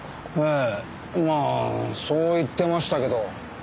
ええまあそう言ってましたけど。